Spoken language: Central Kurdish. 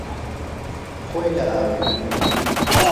خۆی لە ئاوێنە بینی.